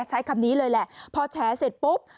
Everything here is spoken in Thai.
ใช้คำนี้เลยแหละพอแฉเสร็จปุ๊บ